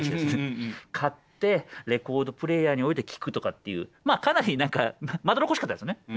買ってレコードプレーヤーに置いて聴くとかっていうまあかなり何かまどろっこしかったですね。